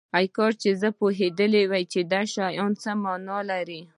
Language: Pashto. کاشکې زه پوهیدای چې دا شیان څه معنی لري